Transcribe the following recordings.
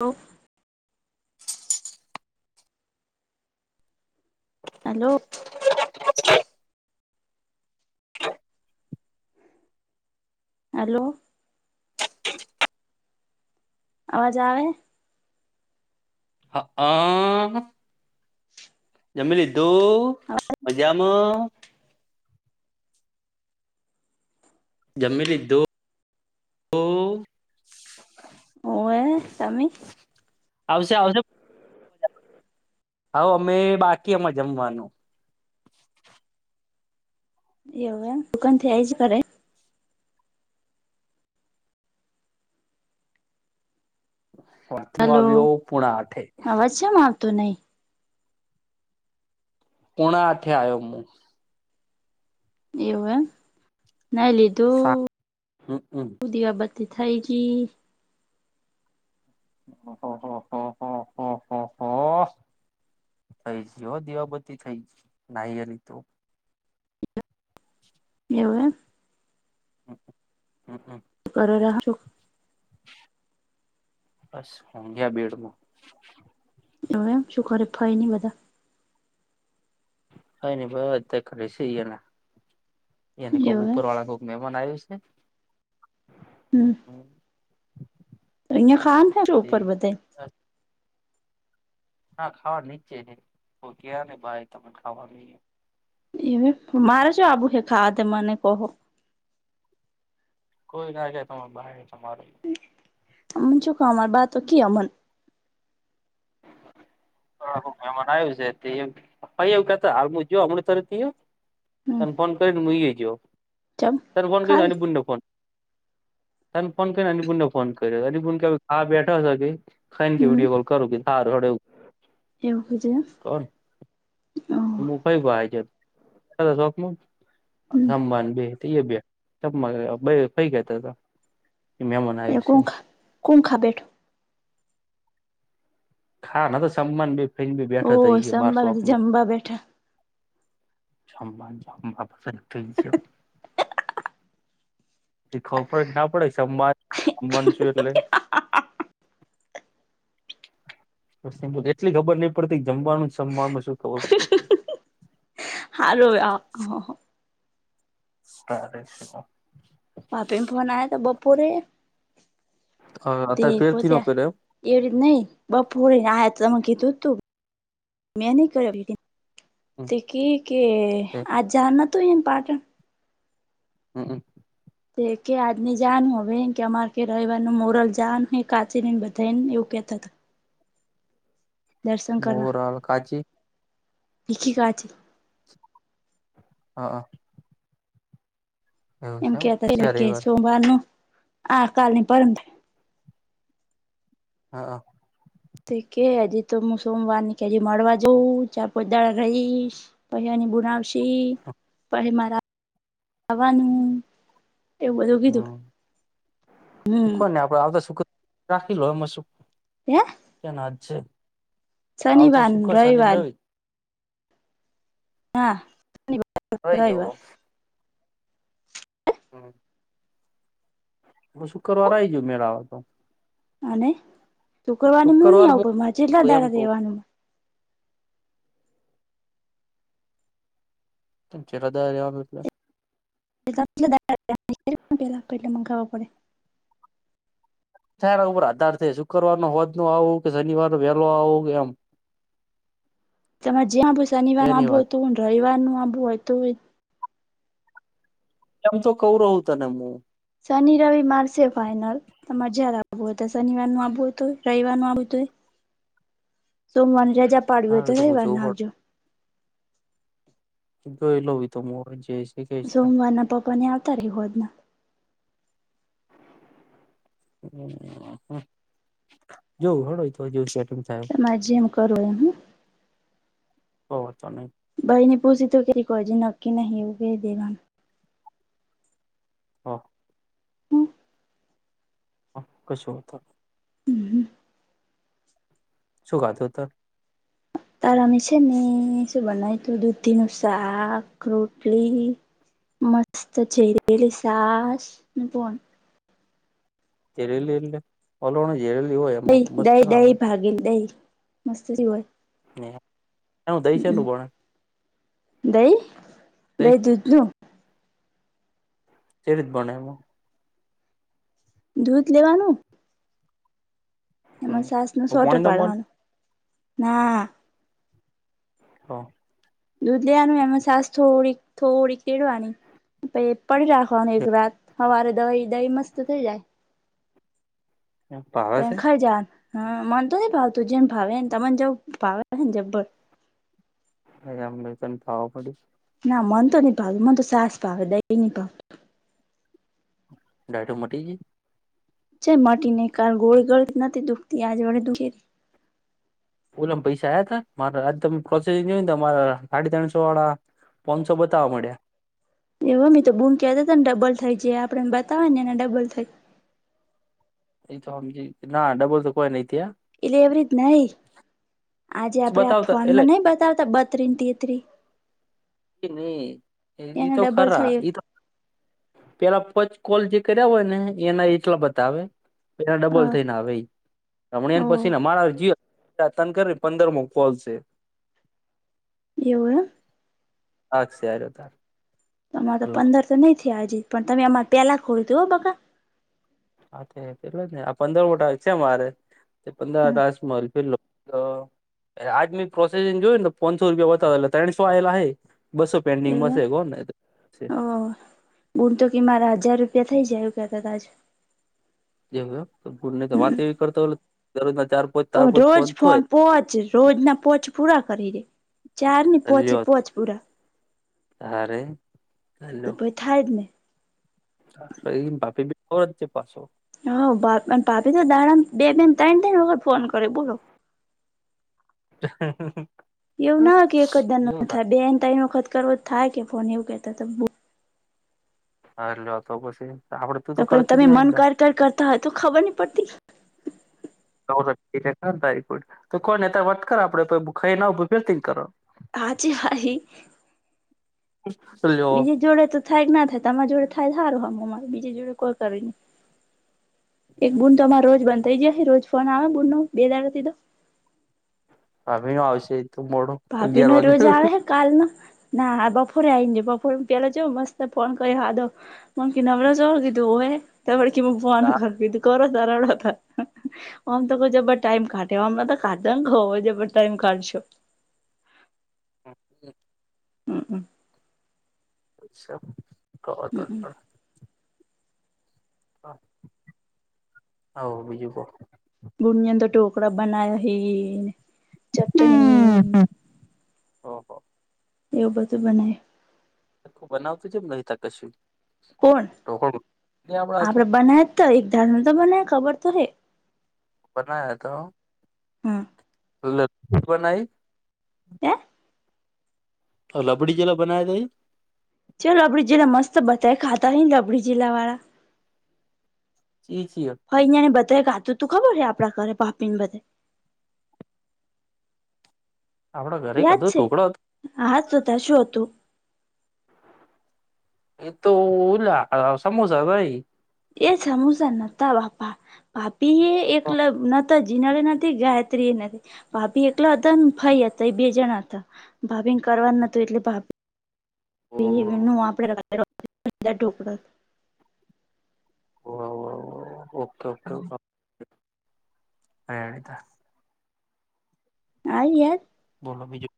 Hello hello હાલો. [inaudible] અવાજ આવે હ આ જમી લીધું મજામાં જમીલધું ઓવે તમી આવશે આવશે હ અમે બાકી અમાં જમવાનું એવું દુકાન થી આ આવી જ કરે વાું આવ્યો પુણા આઠે પછ આવતો નહી પોણા આથે આવ્યો હુ. એવું એમ ના લીધું સા હમ હમ. દીવા ત થાયકી હ હ હા હા હા હા હા થઈ ગ હો દીવા બતી થઈ નાહીની તો એવું હમ હા હા કર છ. બસ મોઘિયા બેડમાં એવ એમ શું ખરે ફય નઈ બધા હ ન ભાઈ અ કરી છે એને એને કોઈ એવું એમ ઉપર વાળા કો મહેમાન આવ્યું છે. હમ્મ તો અહીિયાયા ખાન થ છો, છે ઉપર બધ તે હા ખાવા નીચે છે, તો કં ને ભાઈ તને ખાવાનું એ મારે જો આબુ હે ખા તે મને કહો કોઈ નાાગે ત બ તમારે અમન ચુખ અમાર બા તો ક અમન અ હ મેં બનાયુ છે તે પપૈયું કેતા એવું કેતા [unintelligible] જો હમણાં તને થયું? હમ ત ફોન કરીને મ એજ હો ચમ ત ફોન કરીને અને ખાલી પ ન ફોન ત ફોન કરને અનપુણને ફોન કર્યો અનપુણ કેા બેઠા હ કે ખ કે હમ વિડીયો કોલ કરું કે સારું હડવું એવહદે ઓર. કઈ છે? પણ હમ સંભન બે બે કપ ફઈ કહેતા હતા. મહેમાન એ કોણ આવ્યું છે ખાય? કોણ ખાવા બેઠું? હા, ન્યા તો સામાન બેય ફરી બેઠો થઈ ગયો. બહાર શોપમાં. બા બેઠા. જબા જમ્બા પાસે છે. [inaudible] ખબર ના પડે, એ સમજાવું છું એટલે એટલી ખબર નહીં પડતી કે જમવાનું જમવામાં શું ખબર? હાલો, સ્ટટેસ ભાભી નો ફોન આવ્યો હતો. બપોરે તે અત્યારે ફેરથી ન પહોંચ્યા. પેરે એવી રીતે નઈ બપોરે ને આ તમે કીધું તું મેં નહીં કર્યું. તે કેય કે આજ જાવાનું નોતું એને પાટણ? હંઅ હં. તે કે આજ નહીં જવાનું હવે એમ કહે કે અમારે કે રવિવાર નું મુહૂર્ત જોવાનું કાઢી ને બધાને એવું કહેતાં હતા. દર્શન કરવા મોરાલ કાચી ભેગી જાજે. હા અ... એમ છે કેહેતા એ ચ્યા કે, રવિવાર સોમવારનું આ કાલ નહીં, ને પરમદિવસે. હં અ... તે કહે, હજી તો હું સોમવાર ની કેય હજી મળવા જઉં ચાર પાંચ દહાડા રહીશ. પછી એણી બુલાવશે પછી મારે જાવાનું. હમ... ને હું હમ કવ ને આપડે આવતા શુક્ર રાખી લો એમાં શું? હેં... અ. ક્યાં ના જ છે? આવતો શનિવાર ને શુક્ર શનિ રવિવાર. રવિ હાં અ. હોય જોવો. હંઅ. હું શુક્રવાર એ આવી ગ્યો મેળ આવે તો. અને શુક્રવારે હું નહી શુક્રવાર આવું પણ મારે ત્યાં કેટલાં એમ દહાડા કઉ રેવાનું? અને કેટલાં દહાડા રેવાનું એટલે? એટલે મંગાવવા પડે. [inaudible] તારા ઉપર આધાર છે. શુક્રવાર ના સાંજ ના આવું કે શનિવાર ના વહેલો આવું? કે એમ... તમારે જેમ આવવુ હોય શનિવાર ના એની આવું હોય વાત ને તોય અને રવિવાર નું આવવુ હોય તોય. એમ તો કહીં રહું તને હું. શનિ-રવિ મારે છે ફાઇનલ. તમારે જ્યારે આવવુ હોય. ત્યારે શનિવાર નુ આવવું હોય તોય રવિવાર નું આવું હોય. તોય... સોમવાર ની રજા પાડવી હોય. તો હારું હું રવિવાર જોઉં ના આવજો. જોઈ લવ હવે તો હું જે છે. કે સોમવારના પપ્પા ને ન્યા આવતા રયો સાંજ ના. [inaudible] જોવ હળુંય તો જોવું સેટ તમા જે એમ કરો એમ હો ચ નઈ ભાઈ ન પુસી તો કે કોઈ નક્કી નહીું ક દે હા હ કશુંતા હમ શુંખાતો હતા તારા મી છે શું ભન તોું દૂધ દનું સાક રોટલી મસ્ત ચરીલી સાસ પોડ તેેરી લલે ઓલો જે લ હોય એમાં દહી મસ્ત દહી ના હોય દહી ભાગીલ દહી મસ્ત જ હોય હું દઈ છે હમ એલું પણ દહી દહીં દહી દુંજું તદ બોણ એમાં દૂધ લેવાનું હમ એમાં સાસ નો સોટો પોણી ન બને પાડવાનું ના હા દૂધ લેવાનું એમાં સાસ થોડીક થોડીક કેળવાની પછ પડી રાખવાની એક વાત હવારે દવાહી દહી મસ્ત થઈ જાય ભાવે પે છે ખર જ હ માનતો નઈ ભાવ તું જેને ભાવે ને તને જ ભાવે ને જબ્બર હ અને તને ભાવ પડી્યું ના મન તો ન પા મને તો સાસ ભ દહી પ ડાટો મટી જ છે માટી નહ કાર ગોળ ગળ નથી દુખતી આજ વાડે દુખી ઓલામ પૈસા આવયા ત મા આજે તમે પ્રોસેસિંગ જોય ને મારા સાડી ત્રણસો વાળા પનસો બતાવવા મળ્યા એવ મે તો બૂમ કતા હતા ને ડબલ થાય છે આપેને બતાવય ને એને ડબલ થાય એ તો સમજી ના ડબલ તો કોઈ નહ ત્યાં એટલે એવી રીત નહ આજે આપડે આ બતાવતા એટલે ફોનમાં નઈ બતાવતા બતરી તેતરી ન એ એને તો ડબલ ખરા થઈ એ તો પેલા પંચ કોલ જે કર્યા હોય ને એના એટલા બધ આવે એના હ ડબલ થઈને આવે એ રમણીન ઓ પછી ને અમારા જીવ તર ને પંદર મોકવાલશે એવ હાસાર તાર તમારે તો લો પંદર તો નહી થયા હજી પણ તમે અમારે પેલા ખોલું તું હો બકાા હા પેટલો જ ને આ પંદર મોટા છે મારે તે પણંદર આકાશ મલ ફિરલો અરે આજ મેી પ્રોસેસિંગ જોયું ને પાંચસો રૂપિયાયતા હતા ત્રણસો આયેલા બસો પેન્ટિંગમાં એવું એમ છે કોણ ને બુણ તો કે મારા હજાર રૂપિયા થઇ જાય એું કેતા ત એવ ગુ ન હમ વાત એવી કરતા દરરોજના ચાર પોંચ ચાર પણ પોંચ રોજ થાય ફોન પોચ રોજ ના પોચ પૂરા કરી દે ચાર પોોંચે પોોંચપુરા હ તો પ થાડને એ બાપી જે પાછો હ ભાપી તો દાાર બે બેન તને તને વખત ફોન કરે બોલો [inaudible] એવું ના હોય કે એક જ દન એવું જ થાય બેને તેન વખત કરવો થાય કે ફોન એવું કેતો તો હાર લ્યો તો પછી આપડે તું તો પણ કરતી જ તમે નઈ મન ને કર કર કરતા હોય તો ખબર નહી પડતી [inaudible] નવરી પડે તો ટાઢી થઈને પડીને વાત કર આપડે ખાઈ ને પછી ધતીંગ કરો આજે આઈ [unintelligible] બીજી જોડે તો થાય કે ના થાય તમારિ જોડે થાય તો હારુ હવ હારુ બીજે જોડે કોઈ કરવી નહીં એક બૂન તો અમારે રોજ બંધાઈ જયા હે રોજ ફોન આવે બૂન નો બે દાડે હવે હું આવશે તું ઉપાડો ભાભી નો રોજ આવે કાલ ન, ના બપોરે આવીનેજ બપોરે પેલા જો મસ્ત ફોન કરી હ દો મમકી નવરા ચ કીધું હો એ તળકી ફોન કરીધું કરો તારડો હતા આમ તો કોઈ જબર ટાઈમ કાઢે, અમને તો કાઢ ને ખ જબર ટાઈમ કાઢશો હમ્મ હમ અચ્છા કહો તો હ હવ બીજું કો ગુંડન તો ઢોકળા બનાયા હ ચટણી કો ઓહો એવું બધું બનાયુ બનાવતી છે નહિતા કશું કોણ ઢોકળું આપડા આપડે બનાય તો એક ધારમ તો બનાય ખબર તો હે બના તો હા એટલે એ પણ નાહી? હે? લબડી જેલા બનાયા તા ઈ? ચલો આપડે જીલ્લા મસ્ત બધાયે ખાતાં આઈએ ન રબડી જિલ્લાવાળા. ચી ચીયો હ અહિયા ને બધાંએ કાતું તું ખબર છે આપણા ઘરે બાફીને બધા આપડે ઘરે યાદ ખાધું છે ઢોકડા હા તો તાર શું હતું? એ તો ઉલા સમોસાભઈ. એ સમોસા નતા બાપા. બાપી એ એકલ નતા, જીનળે નથી ગાયત્રી એ નથી. ભાભી એકલાં હતાં ને ભાઈ હતાં એ બે જણા હતા ભાભીને કરવાનું નતું એટલે ભા ઈ એમનું આપડે રાતે [inaudible] ઓવ ઓવ ઓવે ઓકે ઓકે હૈ. આઈ યાદ? બોલો બીજું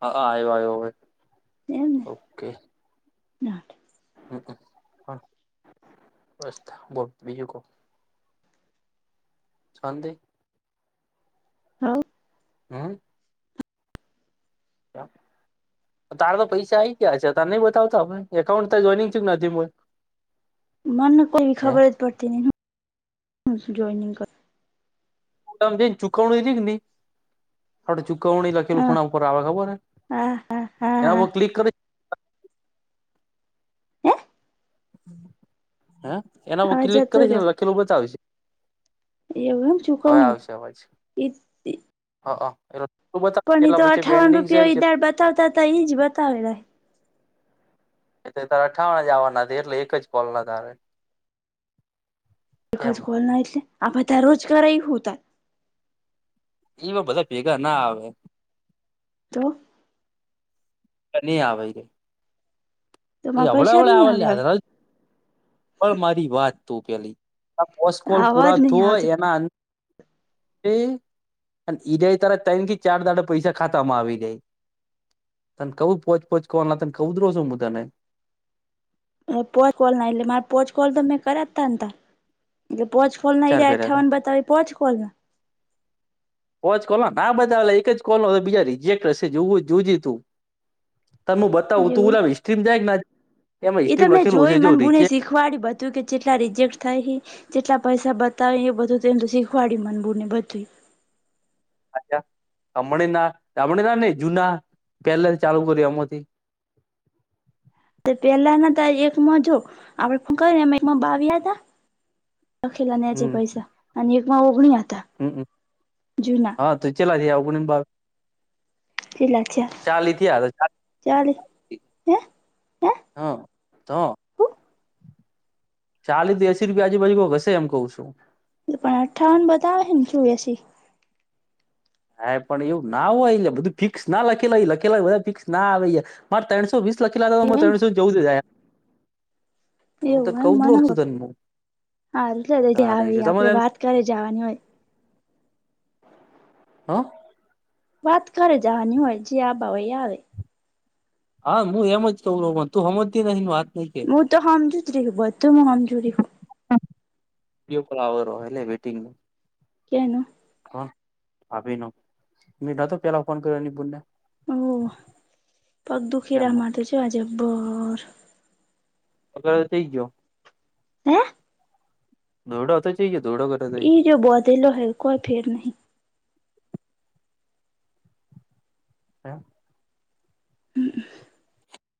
હ હ આયો આયો અવે એમને ઓકે. હમ્મ હમ્મ બસ બીજું કો. શોન્તિ? હવ. હમ્મ. એમ. તારે તો પૈસા આઈ ગયા હશે તને નઈ બતાવતા એકાઉન્ટ તો જોઈનિંગ ચેમ ન થયું હ? મને કોઈ ખબર જ પડતી નહીં શુ જોઈનિગ ક તામની ને ચુકવણી ચીન ધી આપણને ચુકવણી લખેલું હા ખૂણામ ઉપર આવે ખબર હે? હા. હા હા એનાં હા ઉપર ક્લિક કરી હે હ એના હ અવે ક્લિક જતો કરી છે ને લખેલું બચાવીશ. એવ એમ ચુકવણી ઇ ત હ હ એ કોની તો અઠ્ઠાવન રૂપયો ધાર બતાવતા હતા એઈ જ બતાવેલા એ તારે અઠાવ જ આવવાના એટલે એક જ કોલ લગા રે એક જ કોલ નાટલે આ બધા રોજ કર હુ હોતા એવા બધા ભેગા ના આવે તો ની આ આવે [unintelligible] એ તોમાં હવળ પૈસા જ હવળા નહી આવ આવ્યા લ્યા, [unintelligible] મારી વાત તું પેલી આ હવે પોસકોલ આવાજ પૂરા નહી થોય આવતો એના અંદથી અને ઈડય તારા તન થી ચાર દાડે પૈસા ખાતામાં આવી જાય. તને કવું પોચ પોચ કોન હતા કઉં તો રુ મું તને પોય કોલ ના એટલે મારે પોચ કોલ તો મેં કર્યા જ તાને તા એટલે પોચકોલ ના ચાર ઈયરા કર્યા હતા અઠાવન બતાવે ઈ પોચકોલના? પોચકોલના ના બતાવે અલા એક જ કોલ હશે બીજા રિજેક્ટ હશે જોવું હોય તો જોજે તું તને મું ના બતાવું તું એવું ઓલા હિસ્ટ્રીમ જાય કે ના એમાં એ તો હિસ્ટ્રીમાં મેં લખેલું જોઈ હશે જો મને બુને રિજેક્ટ શીખવાડી બધું કે જેટલા રિજેક્ટ થાય હે જેટલા પૈસા બતાવે એ બધું તો એમતો શીખવાડ્યું મન બૂને બધું અચ્છા અમણીના દામણીના ની જુના પેલેથી ચાલુ કર્યું એમાંથી પણ પેલા ના તો આ એકમાં જો આપડે હું કઈ એકમાં બાવી હતા. લખેલાના છેે હમ પૈસા અને એક માં ઓગણી હતા. હમ જૂના અ હા તો ચેટલા થયા ઓગની ને બાવી કેટલા થયા ચાલી થીયા તો ચાલી હે હે [inaudible] હહ તો હું ચાલીથી એસી રૂપિયા આજુબાજુ કોક હશે એમ કવું છું. પણ અઠ્ઠાવન બતાવે હે ને જુ એસી હા પણ એવું ના હોય એલા બધું ફિક્સ ના લખેલા લખેલા બધા ફિક્સ ના આવી મારે ત્રણસો વીસ લખીલા તા તો મારે એમ ત્રણસો ને ચૌદ જ આયા. હું તને એવું એમ કઉ તો મને છું તને હું હારું લે તે જે તારે આવે ઈ આપડે તમારે એમ વાત કરી જાવાની હોય. હ વાત કરે જાવાની હોય જે આબા હોય ઈ આવે હા હું એમ જ કઉં રો પણ તું હમજતી નથી વાત ની કે હું તો હમજુ જરી બધું હમજૂરી હું વિડીયો કોલ આવેરો એટલે વેઈટિંગમાં કેનું? હહ ભાભીનો મે નતો પેલા ફોન કર્યો એની બુનને ઓહ! પગ દુખીરા એમાં માર તો જો આજે બર [inaudible] થઈ ગયો હે દોરડા હોય તો ચઈએ દોડા [inaudible] ઈ રયો બોધેલો હે કોઈ ફેર નહી. [inaudible] હમ અ